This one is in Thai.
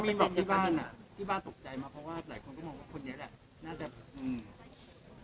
ที่บ้านตกใจมาเพราะว่าหลายคนก็มองว่าคนเยอะแหละน่าจะ